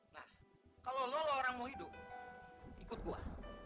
nah kalau lo orang mau hidup ikut gua